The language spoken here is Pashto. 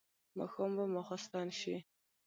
ماښام به ماخستن شي.